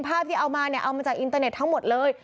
ภาพที่เอามาเนี่ยเอามาจากอินเตอร์เน็ตทั้งหมดเลย